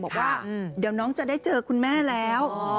บอกว่าเดี๋ยวน้องจะได้เจอคุณแม่แล้ว